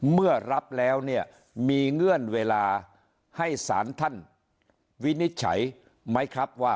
เมื่อรับแล้วเนี่ยมีเงื่อนเวลาให้สารท่านวินิจฉัยไหมครับว่า